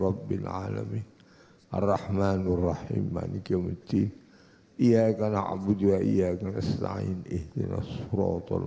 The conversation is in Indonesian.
rabbil alamin ar rahman ar rahim manikamuddin iyaka na'budu wa iyaka nasta'in ihdina suratul